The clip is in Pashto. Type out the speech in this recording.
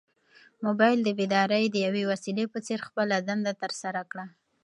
موبایل د بیدارۍ د یوې وسیلې په څېر خپله دنده ترسره کړه.